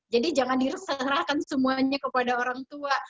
jadi jangan diserahkan semuanya kepada orang tua